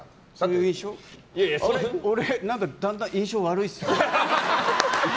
俺、だんだん印象悪いですよね。